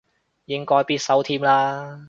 應該必修添啦